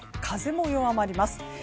風も弱まります。